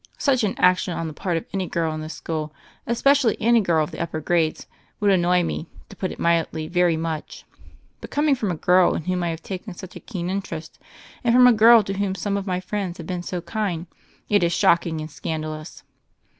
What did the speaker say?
Such an action on the part of any girl in this school — especially any girl of the upper grades — ^would annoy me, to put it mildly, very much ; but com ing from a girl in whom I have taken such a keen interest, and from a girl to whom some of my friends have been so kind, it is shock ing and scandalous."